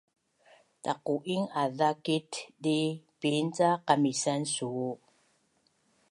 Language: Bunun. Taqu’ing azakit dii piin ca qamisan suu?